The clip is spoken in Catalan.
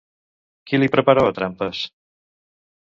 Qui li preparava trampes?